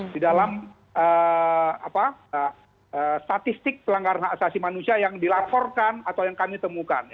di dalam statistik pelanggaran hak asasi manusia yang dilaporkan atau yang kami temukan